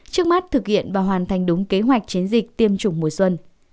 trước mắt thực hiện và hoàn thành đúng kế hoạch chiến dịch tiêm chủng mùa xuân